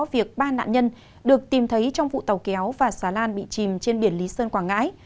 việc ba nạn nhân được tìm thấy trong vụ tàu kéo và xà lan bị chìm trên biển lý sơn quảng ngãi